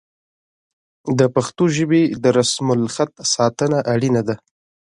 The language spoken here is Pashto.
د پښتو ژبې د رسم الخط ساتنه اړینه ده.